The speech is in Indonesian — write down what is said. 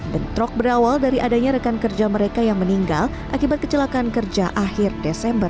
bentrok berawal dari adanya rekan kerja mereka yang meninggal akibat kecelakaan kerja akhir desember dua ribu dua puluh dua